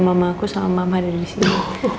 mamaku sama mama ada di sini